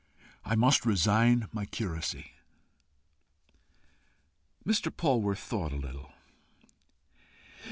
I must resign my curacy." Mr. Polwarth thought a little.